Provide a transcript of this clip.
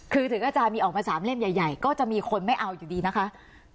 คือถึงอาจารย์มีออกมา๓เล่มใหญ่ก็จะมีคนไม่เอาอยู่ดีนะคะ